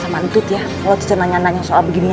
saya lanjut ya kalau ternyata nanya soal begini ya